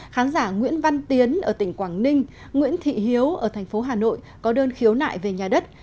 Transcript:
khán giả nguyễn văn tiến ở tỉnh quảng ninh nguyễn thị hiếu ở thành phố hà nội có đơn khiếu nại về nhà đất